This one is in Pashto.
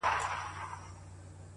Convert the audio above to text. ده هم وركړل انعامونه د ټگانو،